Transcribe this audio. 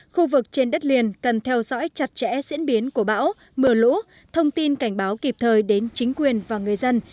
khu vực trên đất liền cần theo dõi chặt chẽ diễn biến của bão mưa lũ thông tin cảnh báo kịp thời đến chính quyền và người dân